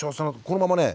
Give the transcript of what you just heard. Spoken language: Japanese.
このままね